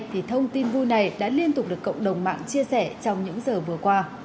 thì thông tin vui này đã liên tục được cộng đồng mạng chia sẻ trong những giờ vừa qua